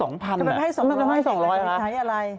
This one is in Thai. ต้องให้๒๐๐๐บาทแล้วคือใช้อะไร